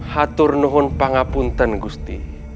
haturnuhun pangapunten gusti